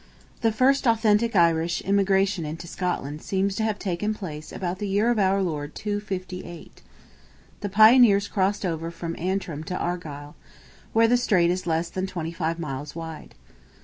The first authentic Irish immigration into Scotland seems to have taken place about the year of our Lord 258. The pioneers crossed over from Antrim to Argyle, where the strait is less than twenty five miles wide.